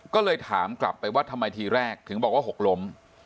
ก็เลยถามกลับไปว่าทำไมทีแรกถึงบอกว่าหกล้ม